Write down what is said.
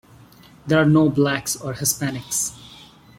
There are no blacks or Hispanics.